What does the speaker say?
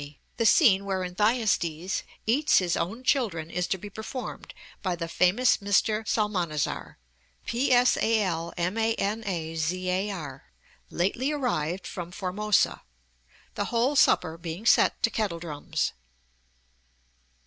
The Scene wherein Thyestes eats his own children is to be performed by the famous Mr. Psalmanazar lately arrived from Formosa: The whole Supper being set to Kettle drums.'